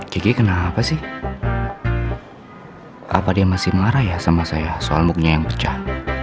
kiki kenapa sih apa dia masih marah ya sama saya soal mooknya yang pecah